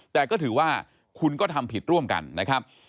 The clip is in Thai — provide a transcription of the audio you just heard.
แต่ก็ถือว่าคุณก็ทำผิดร่วมกันนะครับ